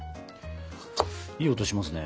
いい音しますね。